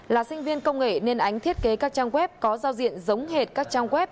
là sinh viên công nghệ nên ánh thiết kế các trang web có giao diện giống hệt các trang web